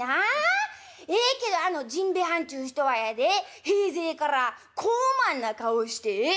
ええけどあの甚兵衛はんちゅう人はやで平生から高慢な顔をしてええ？